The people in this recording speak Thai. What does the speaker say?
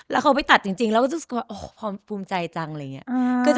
แล้วเขาไปตัดจริงแล้วก็จะสงสัยว่าพอภูมิใจจังอะไรอย่างเงี้ย